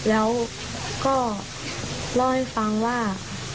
แล้วก็เล่าให้ฟังว่า